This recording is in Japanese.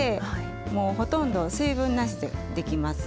もうほとんど水分なしでできます。